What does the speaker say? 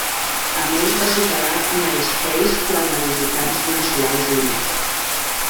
A més va superar a MySpace quant a visitants mensuals únics.